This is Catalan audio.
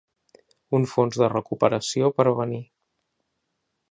Un fons de recuperació per venir.